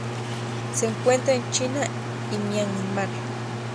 Se encuentra en China y Myanmar.